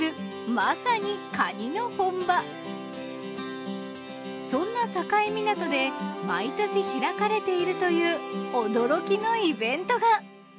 まさにそんな境港で毎年開かれているという驚きのイベントが。